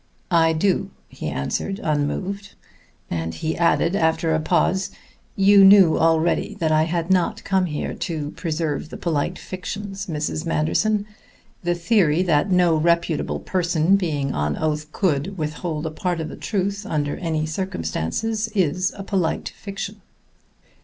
"I do," he answered unmoved; and he added after a pause: "You knew already that I had not come here to preserve the polite fictions, Mrs. Manderson. The theory that no reputable person, being on oath, could withhold a part of the truth under any circumstances is a polite fiction."